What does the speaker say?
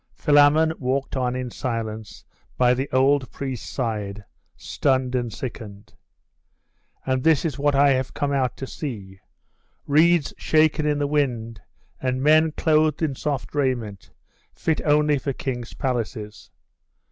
Philammon walked on in silence by the old priest's side, stunned and sickened.... 'And this is what I have come out to see reeds shaken in the wind, and men clothed in soft raiment, fit only for kings' palaces!